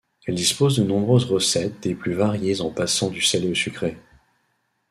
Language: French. Elle dispose de nombreuses recettes des plus variées en passant du salé ou sucré.